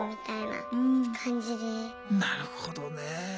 なるほどね。